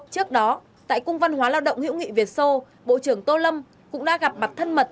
trước đó tại cung văn hóa lao động hữu nghị việt sô bộ trưởng tô lâm cũng đã gặp mặt thân mật